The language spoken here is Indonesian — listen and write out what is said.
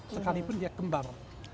sekalipun dia kembar